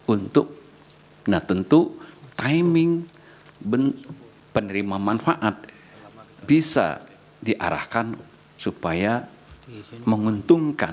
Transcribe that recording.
untuk nah tentu timing penerima manfaat bisa diarahkan supaya menguntungkan